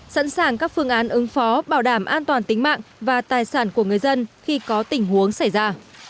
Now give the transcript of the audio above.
sẵn sàng các phương án ứng phó bảo đảm an toàn tính mạng và tài sản của người dân khi có tình huống xảy ra